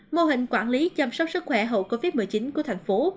mô hình quản lý chăm sóc sức khỏe hậu covid một mươi chín của thành phố